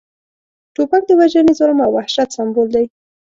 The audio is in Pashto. توپک د وژنې، ظلم او وحشت سمبول دی